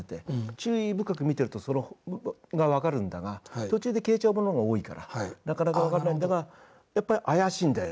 注意深く見てるとその分かるんだが途中で消えちゃうものが多いからなかなか分からないんだがやっぱりあやしいんだよね。